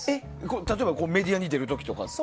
例えばメディアに出る時とかも？